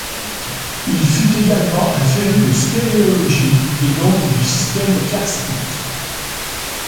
Il fut également un féru de spéléologie et donc du système karstique.